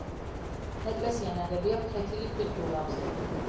ეკლესია ნაგებია ფლეთილი ქვით დუღაბზე.